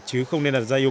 chứ không nên là giảm tải